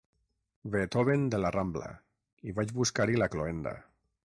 Beethoven de la Rambla i vaig buscar-hi la cloenda.